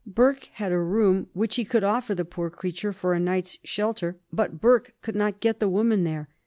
Burke had a room which he could offer the poor creature for a night's shelter; but Burke could not get the woman there.